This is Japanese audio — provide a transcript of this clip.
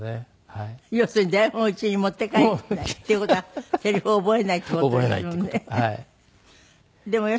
要するに台本を家に持って帰らないっていう事はセリフを覚えないっていう事ですもんね。